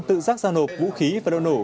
tự giác giao nộp vũ khí và đồ nổ